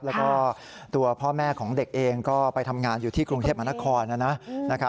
แล้วก็ตัวพ่อแม่ของเด็กเองก็ไปทำงานอยู่ที่กรุงเทพมหานครนะครับ